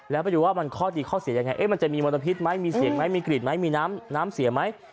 แล้วไปดูว่ามันข้อดีข้อเสียยังไงมันจะมีมลพิษไหมมีเสียงไหมมีกลิ่นไหมมีน้ำเสียไหม